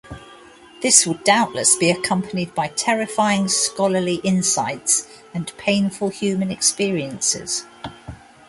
This would doubtless be accompanied by terrifying scholarly insights and painful human experiences.